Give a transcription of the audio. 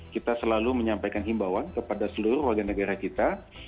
kita selalu menyampaikan himbawan kepada seluruh warga negara kita